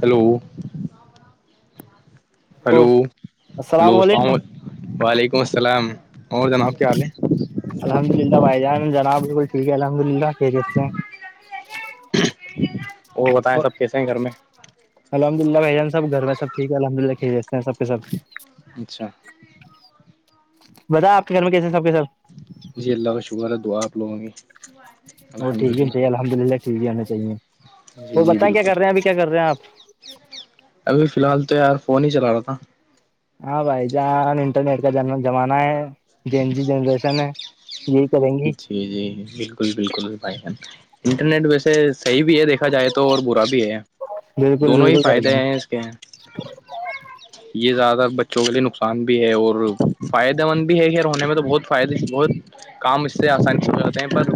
hello تو hello hello السلام وعلیکم السلام اور جناب کیا حال ہے الحمد للہ بھائی جان جناب بالکل ٹھیک ہے الحمد للہ کی کہتے ہیں اور بتیں سب کیسے ہیں گھر میں الحمدلہ بھائی جان سب گھر میںبٹھیک ہے الحمد للہ کھی لیتے ہیں سب سب اچھا بتا آ کے گھر میں کیسے سب کے سب جی اللہ کا شکر ہے دعاپ لوگوں گی اور ٹیک ہے چیے الحمد للہ ٹھیک ہے آنا چاہیے جی وہ جی بتائیں کیا بالکل کر رہے ہیں ابھی کیا کر رہے ہیں آپ ابھی فی الحال تو یار فون ہی چلا رہا تھا ہاں بھائی جان انٹرنیٹ کا جم جمانہ ہے جین جی جنریشن ہے یہی کریں گے جی جی بالکل بالکل بھائی جان انٹرنیٹ ویسے صحیح بھی ہے دیکھا جائے تو اور برا بھی ہے بالکل دونوں ہی بالکل بھائی جان فائدے ہیں اس کے یہ زیادہ بچوں کے لیے نقصان بھی ہے اور فائدہ مند بھی ہے خیر ہونے میں تو بہت فائدے بہت کام اس سے آسانی سےو ہو جاتے ہیں پر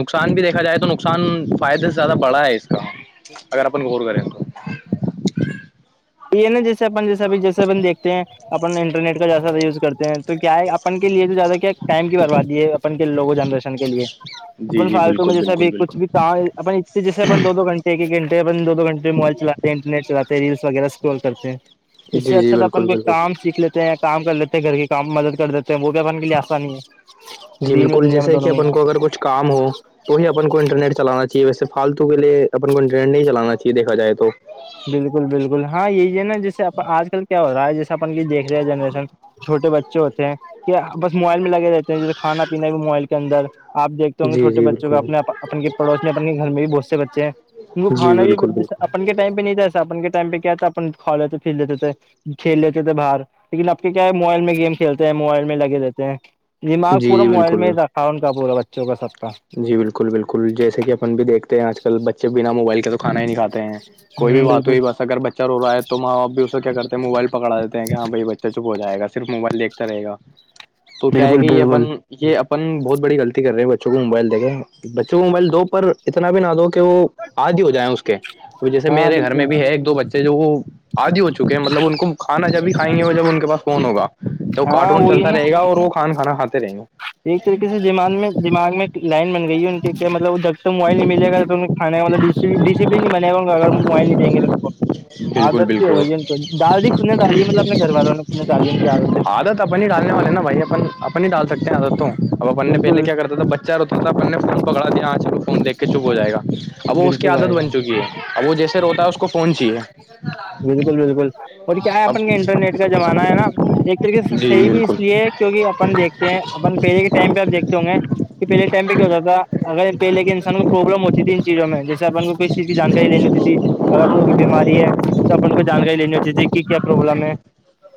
نقصان بھی دیکھا جائے تو نقصان فائدے سے زیادہ بڑا ہے اس کا جیھ اگر اپن گور کریں گ تو یہ نا جیسے اپن جیسے ا جیسے اپن دیکھتے ہیں اپن انٹرنیٹ کا جیسا یوز کرتے ہیں تو کیا ہے اپن کے لیے تو زیادہ کیا ٹائم کی برباد ہے اپن کے لوگو جنریشن کے لیے جی اپن جی فالتو میں بالکل جیساب بالکل کچھ بالکل بھی کہاں اپنی جیسےن دو گنٹے ایک گھنےن دو گھنٹے موبائل چلے ہیں انٹرنیٹ چلاتے ریلس وغیرہ اسٹال کرتے ہیں اس سے جی جی اچھا تو اپن بالکل کوئی بالکل کام سیکھ لیتے ہیں یا کام کر لیتے ہیں گھر کے کام مدد کر دیتے وہ بھیبان کے لیے آسانی ہے جی دین میں بالکل دنیا میں جیسے دونوں کہ میں ہی اپن کو اگر کچھ کام ہو تو ہی اپن کو انٹرنیٹ چلانا چاہیے ویسے فالتو کے لیے اپن کو انٹرنیٹ نہیں چلانا چاہیےیکا جائے تو بالکل بالکل ہاں یہی ہے نا جیسے آج کل کیا ہو رہا ہے جیسے اپن دیکھ رہے ہیں جنریشن چوٹے بچے ہوتے ہیں کہ بس موبائل میں لگ رہتے ہیں جسے کھانا پینا بھی موبائل کے اندر آ دیکھتے ہوں گے جی چھٹے جی بچوں کو بالکل اپنے اپن کے پڑوس میں اپنے کے گھر میں بھی بہت سے بچے ہیں ت کو جی کھانا بھی بالکل بالکل اپن کے ٹائم پہ نہیں ہےسا اپن کے ٹائم پہ کیا آتا اپ کھولتے فتے کھیلےتے تو بر لیکن اب کے کیا ہے موبائل میں گیم کھیلتے ہیں موبائل میں لگے رہتے ہیں دماغ جی پورا جی موبائل بالکل ہی کون کا پورا بچوں کا سب کا جی بالکل بالکل جیسے کہ اپن بھی دیکھتے ہیں آج کل بچے بنا موبائل کے تو کھا ہی نہیں کاتے ہیں کوئی بھی ہ بات ہوئی بالکل بس اگر بچہ رو رہا ہے تو تو ماں باپ بھی اس کوے کیاتے موبائل پکڑا دیتے ہیں کہ ہاں بھ بچہ چپ جائے گار موائل دیکتا رہے تو کیا ہے بالکل کہ یہ اپن بالکل یہ اپن بہت بڑی غلطی کر رہے ہیں بچوں کو موبائل دیکیں بچوں کو موبائل دو پر اتنا بھی نہ دو کہ وہ آدی ہو جائےیں اس کے جیسے ہاں میرے گھر بالکل میں بھی ہے ایک دو بچے جو وہ آدی ہو مطلب ان کو کھا جب بھی کائیں گے وہ جب ان کے پا فون ہوگ تو وہ ہاں کارٹون وہی نا چلتا رہے گ اور وہ کھان کانا کھے رہے گوں ایک طریقے سے زمان میں دما میں ایک لائن گئی ہے ان کے مطلب دب سے موبائل نہیں مل گا تو کھے والا ڈ ڈسپلن نہیں بنے گاا اگر موبائل نہیں دیں گے تو بالکل عادت سے ہو بالکل وہی ہے تو دال دی کھلنے ڈالی ہے مطلب اپنے گھر والوں نے کھلنے ڈالی ان کی عادت ہے اپن ہی ڈالنے والے نا بھائی اپ اپنی ہی ڈال سکتے ہیںستوں اب اپنے پہے بالکل کیا کرتا تھا بچے تا تھا نے فون پکگڑا دیا ہاں چلو فون دھ کے چپ ہو جائے گا اب وہ اس کی بالکل عادت بھائی جان بن چکی ہے اب وہ جیسے روتا ہے اس کو پہنچیے [unintelligible] بالکل بالکل اور کیا ہے اپن کا انٹرنیٹ کا زمانہ ہے نا ایک طریقے سے جی جی صحیح بھی بالکل اس لیے کیوںکہ اپن دیکتے ہیں اپن پہلے کے ٹائم پہ آپ دھتے ہوں گے کہ پہلے ٹائم پہ کیا ہوات تھا اگر پہے کے انسان کو پروابلم ہوتی ت چیزوں میں جیسے اپن کو ک چیز کی جانکاری لین ہوتی تھی اگر اپن کو بیماری ہے تو اپن کو جانکاری لینی ہو چاہی تے کہ کیا پرابلم ہے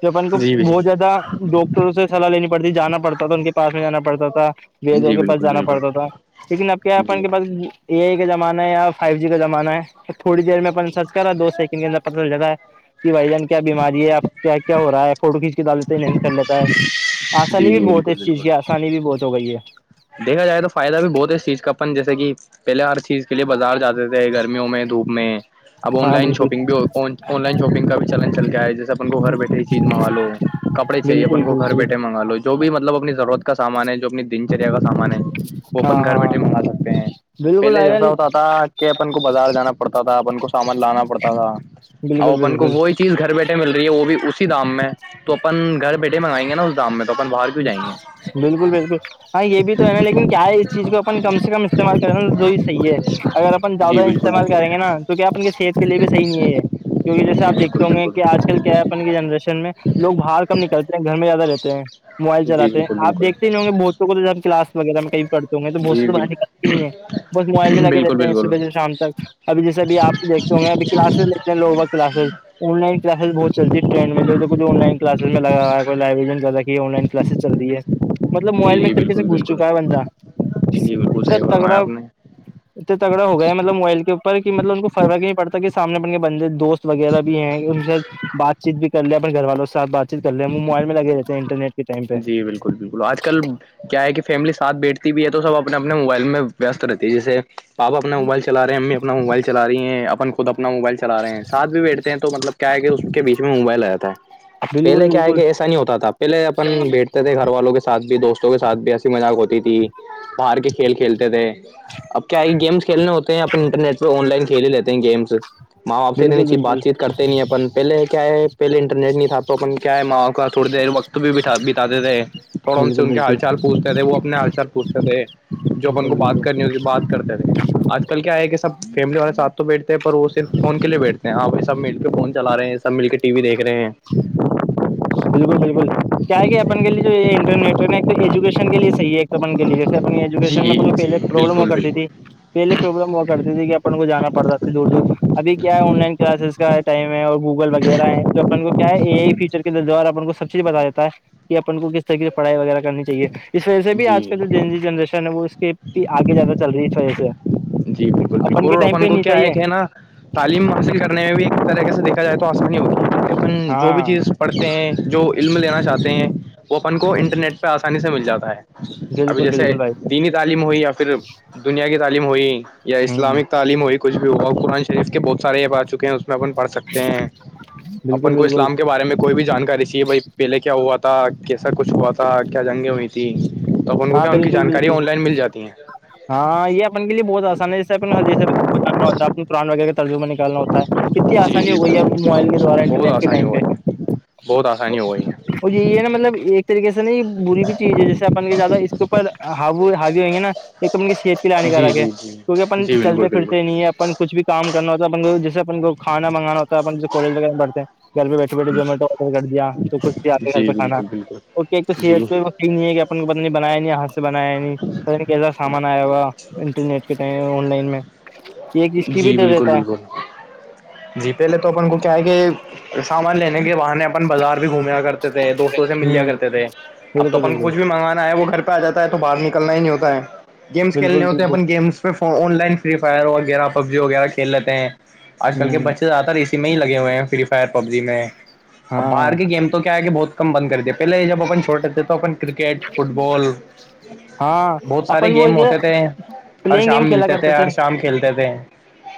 تو اپن کو جی جی بہت زیادہ ڈ تو سے صلاح لینی پڑتی ت جانا پڑتا تھا ان کے پس میں جانا پڑتا تھا ویدوں جی کے پاس بالکل جانا بالکل پڑتا تھا لیکن اب کیا ہے اپ ان جی کے پاس اے آئی کا جمانہ ہے یا فائیو جی کا زمانہ ہے فور جی میں سرچ کرا دو س اندر پتا چل جاتا ہے کہ بھائی جان کیا ب بیماری ہے اب کیا ہو رہا ہے فوٹو کھینچ کے ڈال کر لیتا ہے آسانی جی بھی جی بہت ہے بالکل اس چیز کی بالکل آسانی بھی بہت ہو گئی ہے دیکھا جائے تو فائدہ بھی بہت ہے اس چیز کا اپن جیسے کہ پہلے ہر چیز کے لیے بازار جاتے تھے ے گرمیوں میں دھوپ میں اب آن ہاں لائن بالکل شاپنگ بھی آن لائن شاپنگ کا بھی چلن چل گیا ہے جیسے اپن کو گھر بیٹھے ہی چیز منگا لو کپڑے چاہیے بالکل اپن کو گھر بالکل بیٹھے منگا لو جو بھی مطلب اپنی ضرورت کا سامان ہے جو اپنی دن کا سامان ہے وہ ہاں اپن گھر ہاں بیٹھے منگا سکتے ہیں بالکل پہلے بھائی جیسا جان ہوتا کہ اپن کو بازار جانا پڑتا تھا اپن کو سامان لانا پڑتا تھا اور بالکل اپن کو بالکل وہی چیز گھر بیٹھے مل رہی ہے وہ بھی اسی دام میں تو اپن گھر بیٹھے منگائیں گے نا اس دام میں تون باہر کیوں جائیں گے بالکل بالکل ہاں یہ بھی تو ہے نا لیکن کیا ہے اس چیز کو اپن کم سے کم استعمال کرینا جو ہی صحیح ہے اگر اپن جی زیادہ بالکل استعمال بالکل کریں گے نا تو کیا اپ ان کی صحت کے لیے بھی صحی نہیں ہے کیوںک جیسے جی آپ دیکتے بالکل ہوں گے کہ بالکل آج کل کیا ہے اپن کی جنریشن میں لوگ باہر کم نکلتے ہیں گھر میں زیادہ رہتے ہیں موبائل جی چلاتے ہیں بالکل آپ بالکل دیکھتے ہوں گ بچوں کو تو جب کلاس وغیرہ میں کئی پڑھتے تو بہت سے جی تو باتر نکلتی ہی نہیں ہے بس موبائل میں لگے بالکل بالکل رہتے ہیں بالکل صبح سے شام تک ابھی جیسےب آپ دیکھ ہوں گے اب کلاسز اتنے لووںا کلاسز آن لائن کلاسز بہت چتی ٹریڈ جو کچھ آن لائن کلاسز میں لگا ہے لبرین یہ آن لائن کلاسز چل رہ ہے مطلب موبائل جی میں جی ایک طریقے بالکل سے گھس بالکل چکا ہے بندہ جی بالکل اتنا صحیح فرمایا تگڑا آپ نے اتنا تگڑا ہو گیا ہے مطلب موبائل کے اوپر کہ مطلب ان کو فرق نہیں پڑتا کے سامنے بڑنے کے بندے دوست وغیرہ بھی ہیں ان سے بات چیت بھی کر لیا اپ گھر والوںاتیت کر رہ ہیں وہ موبائل میں لے رہے ہیں انرنیٹ جی بالکل بالکل بالکل آج کل کیا ہے کہ فیملی ساتھ بیٹھتی بھی ہے تو سب اپنے اپنے موبائل میں ویست رہتی ہے جیسے پاپ اپنا موبائل چل رہے ہیں امی اپنا موبائل چل رہی ہیں اپن خود اپنا موبائل کرا رہے ہیں سھ بھی بیٹھتے ہیں تو مطلب کیا ہے کہ اس کے بیچ میں موبائل آ جاتا ہے پہلے بالکل کیا ہے بالکل کہ ایسا نہیں ہوتا تھا پہلے اب گھر والوں کے ساتھ بھی دوستوں کے ساتھ بھی ایسی مذاق ہوتی تھی باہر کے کھیل کھیلتے تھے اب کیا یہ گیمس کھیلنےتے ہیں اپپ انٹرنیٹ پہ آن لائن کل ہی لیتے ہیں گیمس ماں باپ سے بالکل نیچے بالکل بات چیت کرتے نہیں اپن پہلے کیا ہے پہل انٹرنیٹ نہیں تھاات تو اپن کیا ہے ما کا س دت بھیٹھا بتااتے تھے تھوڑا ان سے بالکل ان کے حال بالکل چال پوچتے تھے وہ اپنے ہال چال پوچھتے تھے جو اپن کو بالکل بالکل بات کرنی ہوتی بات کرتے تھے آج کل کیا ہے کہ سب فیملی والے ساتھ تو بیٹھتے ہیں پر وہ صرف فون کے لیے بیٹھتے اں بائی سب مل کے فون چلا رہے ہیں سب مل کے ٹی وی دیکھ رہے ہیں بالکل بالکل کیا ہے کیا بن کے لیے جو یہ انٹرنیٹ ہے نا ایک تو ایجوکشن کے لیے صحیح ہے تو بن کےے جیسے اپنی ایجوکیشن جی میں جی پہے پرابلم ہو بالکل کرتی تھی بالکل پہلےوگرلمام وہا کرتی تھی کہ اپن کو جانا پڑتا تھاے دور دور ابھی کیا ہے آن لائن کلاسز کا ٹائم ہے اور گوگل وغیرہ ہے تو اپن کیا ہے ا ہی فیچر دار اپ کو سب چیز بتا دیتا ہے کہ اپ کو کس طریح کی پڑھائی وغیرہ کرنی چاہیے اس وجہ سے بھی آج جی کل جو جنریشن ہے وہ اس کے آگے زیادہ چل رہی ہے اس وجہ سے جی بالکل بالکل کے اور ٹائم پہ اپن کو نہیں کیا ہے چاہیے کہ نا تعلیم حاصل کر نے میں بھی ایک طریقے سے دیکھا جائے تو آسانی ہوتی ہےن جو بھی ہاں چیز پڑھتے ہیں جو علم لینا چاہتے ہیں وہ اپن کو انٹرنیٹ پہ آسانی سے مل جاتا ہے ابھی بالکل جیسے بالکل بھائی دینی تعلیم ہوئی یا پھر دنیا کی تعلیم ہوئی یا ہ اسلامک تعلیم ہوئی کچھ بھی ہو اور قرآن شریف کے بہ سار اب آ چکے ہیں اس اپن پڑھ سکتے ہیں بالکل اپن کو بالکل اسلام کے بارے میں کوئی بھی جانکاری چاہے بھائی پہلے کیا ہوا تھا کیسا کچھ ہوا تھا کیا جنگیں ہوئیھی ت توب ان کو ہاں کیا ان کی بالکل بالکل جانکاری آن لائن مل جاتی ہیں ہاں یہ اپن کے لیے بہت آسان ہے جیے اپ ہردی جاننا ہوتا اپ پران وغیرہ کے ترجمہ نکالنا ہوتا ہے ا جی آسانی جی ہو گئی ہے اب بالکل موبائل کے دوارا بہت انٹرنیٹ کے آسانی ٹائم ہو پہ گئی ہے بہت آسانی ہو گئی ہے اور یہ ہے نا مطلب ایک طریقے سے نا یہ بری بھی چیز ہے جیسے اپن کے جات مط اس کے اوپر ہاو ہاوی ہوئ گے نا ایک تو کی سحت کی لانی کا جی رکھ ہے جی جی کیونکہ اپن جی بالکل چلتے بالکل پھرتے نہیں ہے اپن کچھ بھی کام کرنا ہوتا ہے اپ کو جیسے اپن کو کھانانگانا ہوتا کالج وغیرہ بڑھ ہیں گھر پہ بیٹھے بیٹےمیٹو آڈر کر دیا تو کچھ آپ گھر جی پہ کھا بالکل بالکل توحت جی پہ وہ ف نہیں ہے کہ ات نے بنایا نہیں یہاں سے بنایا نہیں کیسا سامان آیا ہوا انٹرنیٹ کے ٹائم آن لائن میں کہ اسس کی بھی جی ڈر بالکل رہتا ہے بالکل جی پے لے تو اپن کو کیا ہے کہ سامان لینے کے وہ نے اپن بازار بھی گھومے کرتے تھے دوستوں سے ملیا ہ کرتے تھے اب تو بالکل اپن بالکل کچھ بھی منگوانا ہے وہ گھر پہ آ جاتا ہے تو باہر نکلنا ہی نہیں ہوتا ہے گیمس کھیلنے بالکل ہوتے ہیں بالکل اپن games online free fire وغیرہ پبجی وغیرہ کھیل لیتے ہیں آج کل کے ہ بچے زیاہر اسی میں ہی لگ گ ہوئے ہیں فری فائر پب جی میں اب ہاں باہر کی گیم تو کیا ہے کہ بہت کم بند کر دیا پہلے جب اپ چھوٹے تھے تو اپن کرکٹ فٹ بال ہاں بہت سارے اپن وہ گیم یہ ہوتے تھے ہر پلینگ گیم شام کھیلا ملتے تھے ہر شام کھیلتے تھے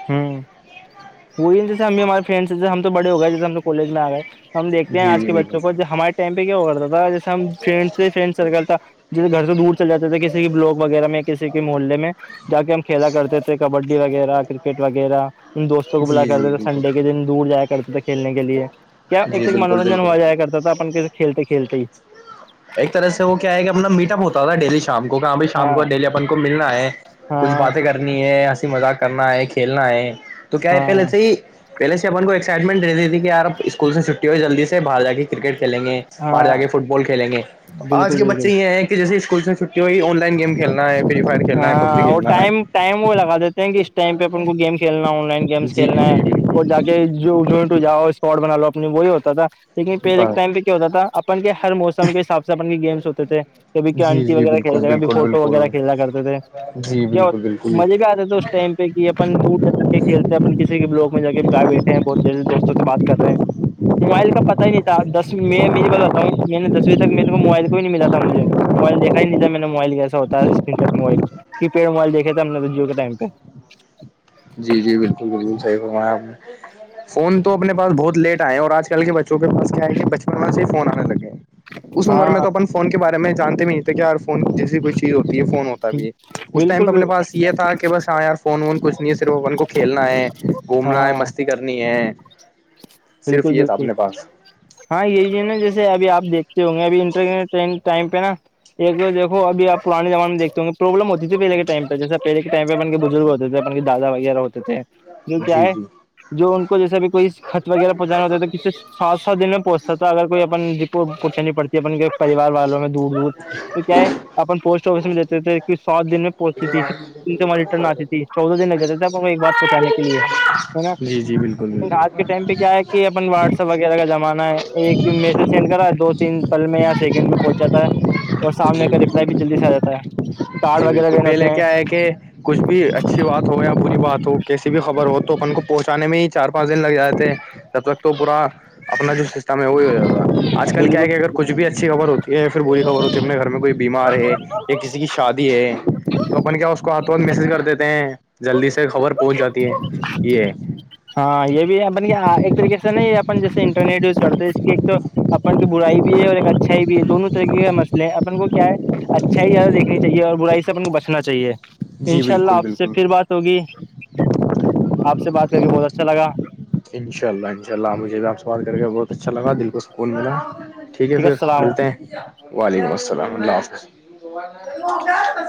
ہاں [unintelligible] وہی جیسے ہمارے فرینڈ جسے ہم تو بڑے ہو گئے جیسے ہمو کالج میں آ گئےے ہم دیکتے ہیں جی آج جی کے بالکل بچوں کو جو ہمارے ٹم پہ کیا ہو کرتا تھا جیس ہم فرینڈ تھ سے فرینڈ سرکل تھا جیسے گھر سے دور چل جاتے تھے کسی بلاک وغیرہ میں کسی کے محلے میں جا کے ہم کھیلا کرتے تھے کبڈی وغیرہ کرکٹ وغیرہ ان دوست بلا جی کرتے جی تھے بالکل سنڈے کے دن دور جایا کرتے تھے کھیلنے کے لیے کیا ایک جی توک بالکل منورنجن بالکل ہو جائے کرتا اپن کس کھیلتے کھیلتے ہی ایک طرح سے وہ کیا ہے کہ اپنا میٹ اپ ہوتا تھا ڈیلی شام کو کہاں بھی شام ہاں کو ڈیلی اپن کو ملنا ہے کچھ ہاں باتیں کرنی ہے ہنسی مذاق کرنا ہے کھیلنا ہے تو کیا ہے پہلے ہاں سے ہی پہلے سےن کو ایکسائٹمنٹ رہتی تھی کہیار اسول سے چھٹی ہو جلدی سے باہ جا کے کرکٹ کلیں گے اہر جا ہاں کے فٹ بال کھیلیں گے آج بالکل کے بالکل بچے یہ ہیں کہ جیسے اسکولس میں چھٹی ہوئی آن لائن گیم کھیلنا ہے پری ہاں اور ٹائم ٹائم وہ لگا دیتے ہیں کہ اس ٹائم پہ اپ ان کو گیم کھیلنا ہے آن لائن گیمس جی کھیلنا ہے جی اور جا کے جو ج ٹ جاؤ اسپاٹ بناال لو اپنی وہی ہوتا تھا لیکن پہے بس ٹائم [unintelligible] ہوتا تھا اپن کے ہر موسم کے حساب سے اپن کے گیمس ہوتے تھے کبھی کہ جی آنٹی جی وغیرہ کھیل بالکل ج گا بالکل بفور وہ بالکل کھیلا کرتے تھے جی کیا بالکل بالکل مزے بھی آتے تھے اس ٹائم اپن دور جا کے کھیلتے ہیں اپ کسی بھی بلاک میں جا کے بائے بیٹھے ہیں بہت جد دوستوں سے بات کر رہے ہیں موبائل کا پتا ہی نہیں تھا دس میں میری بات بتاؤوں میں نے دسو تک میرے کو موبائل کو بھی نہیں ملا تھا مجھے موبائل دیکھا نہیں تھا میں نے موبائل کیسا ہو تھا اسکرین ٹ موبائل کی پیڈ موبائل دیکے تھا ہم نے جو کے ائم پہ جی جی بالکل بالکل صحیح ہوا آپ فون تو اپنے پاس بہت لیٹئے اور آج کل کے بچوں کے پس کیا ہے کہ بچپن میں سے فون آنے لگے ہیں اس عمر میں ہاں تو اپن فون کے بارے میں جانتے نہیں تھے کیایار جیسی کوئی چیز ہوتی ہے فون ہوتا بھی ہے اس ٹائم بالکل پہ اپنے بال- پاس یہ تھا کہ بس ہاں یار فون وون کچھ صرف ان کو کھیلنا ہے گھومنا ہے ہاں مستی کرنی ہے صرف بالکل یہ تھا بالکل اپنے پاس ہاں یہی ہے نا جیسے ابھی آ دیکھتے ہوں گے اب انٹر ٹن ٹائم پہ نا ایک تو دھو اب آپ پرانے زمانے میں دھتے ہو گے پراببلم ہو تھی پہل کے ٹمہ جیسےہلے کےٹائہ اپن بزرگ ہو تھے اپن کے دادا وغیرہ ہوتےے جو کیا جی ہے جی جو ان کو جیسے بھی کوئی خط وغیرہ پہنچانا ہوتا ہے تو ک سے سات سات دن میں پہنچ ا تو اگر کوئی اپن ج کو پچنی پڑتی ہے اپنے کو پریوار والوں میں دور دور اس کیا ہے اپن پوسٹ آفس میں دیتے تھے کہ سات دن میں پہنچتی تھی پھر دن سے وہاں ریٹرن آتی تھی چودہ دن لگ جاتے تھے کو ایک بات پہنچانے کے لیے ہے نا جی جی بالکل لن آج کے بالکل ٹائم پہ کیا ہے کہ اپ واٹسپ وغیرہ کا جمانا ہے ایک میسج سینڈ کرا ہے دو تین پل میں یا سیکنڈ میں پہنچ جاتا ہے اور سامنے جی کا ریپلائی بالکل بھی جلدی سے آ بالکل جاتا ہے کارڈ جی وغیرہ بالکل دینے پہلے ہوتے ہیں کیا ہے کہ کچھ بھی اچھی بات ہو یا بری بات ہو کیسی بھی خبر ہو تو اپن کو پہنچانے میں ہی چار پانچ دن لگ جاتے ہیں جب تک تو پورا اپنا جو سسٹم ہے وہی ہو جائے گا آج کل کیا بالکل ہے کیا اگر کچھ بھی اچھی خبر ہوتی ہے یا پھر بری خبر ہوتی ہے اپنے گھر میں کوئی بیمار ہے یا کسی کی شادی تو اپن کیا اس کو ہاتھ وھ میسج کر دیتے ہیں جلدی سے خبر پہنچ جاتی ہے یہ ہے ہاں یہ بھی اپن ایک طریقے سے نا یہ اپن جیسے انٹرنیٹ یوز کرتے ہیں اس کی ایک تو اپن کی برائی بھی ہے اور ایک اچھائی بھی ہے دونوں طریقے کا مسئے ہیں اپن کو کیا ہے اچھا ہی یاد دیکنی چاہیے اور برائی سبن کو بچنا چاہیے جی انشاء اللہ بالکل آپ سے بالکل پھر بات ہوگی آپ سے بات کر کے بہت اچھا لگا انشاء اللہ انشاءلہ مجھے بھی آپ سے بات کر کے بہت اچھا لگا دل کو سکون ملا ٹھیک ہے پھر ملتے ہیں وعلیکم السلام اللہ حافظ